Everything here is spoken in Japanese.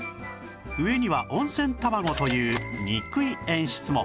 上には温泉卵という憎い演出も